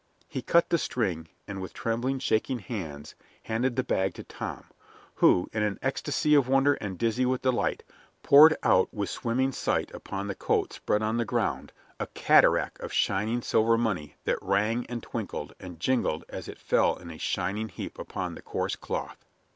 He cut the string, and with trembling, shaking hands handed the bag to Tom, who, in an ecstasy of wonder and dizzy with delight, poured out with swimming sight upon the coat spread on the ground a cataract of shining silver money that rang and twinkled and jingled as it fell in a shining heap upon the coarse cloth.